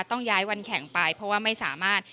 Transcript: ต้องย้ายวันแข่งไปเพราะว่าไม่สามารถ